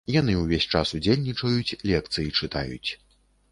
Яны ўвесь час удзельнічаюць, лекцыі чытаюць.